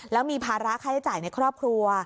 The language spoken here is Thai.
แล้วมีภาระค่าใช้จ่ายในครอบครัว